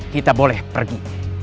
kita boleh pergi